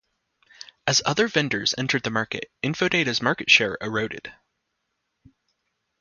As other vendors entered the market, Infodata's market share eroded.